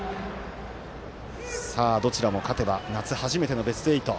どちらも、勝てば夏初めてのベスト８。